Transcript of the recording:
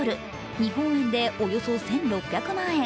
日本円でおよそ１６００万円。